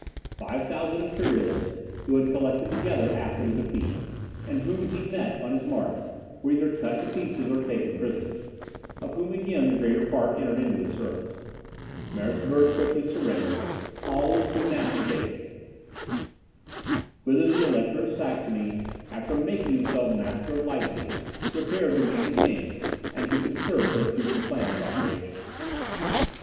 Five thousand Imperialists, who had collected together after the defeat, and whom he met on his march, were either cut in pieces or taken prisoners, of whom again the greater part entered into his service. Merseburg quickly surrendered; Halle was soon after taken, whither the Elector of Saxony, after making himself master of Leipzig, repaired to meet the king, and to concert their future plan of operations.